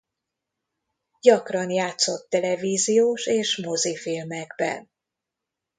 Gyakran játszott televíziós és mozifilmekben.